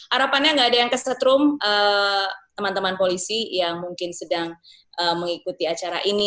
harapannya enggak ada yang ke set room teman teman polisi yang mungkin sedang mengikuti acara ini